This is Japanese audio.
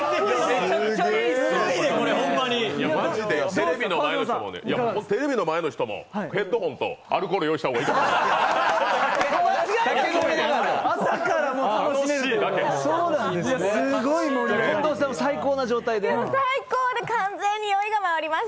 いや、テレビの前の人もヘッドホンとアルコール用意した方がいいと思います。